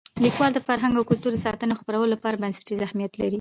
لیکوالی د فرهنګ او کلتور د ساتنې او خپرولو لپاره بنسټیز اهمیت لري.